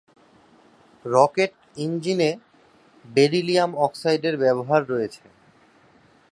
Rocket ইঞ্জিনে beryllium অক্সাইডের ব্যবহার রয়েছে।